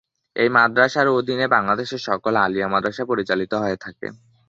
এই মাদ্রাসার অধীনে বাংলাদেশের সকল আলিয়া মাদ্রাসা পরিচালিত হয়ে থাকে।